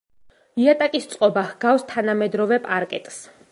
იატაკის წყობა ჰგავს თანამედროვე პარკეტს.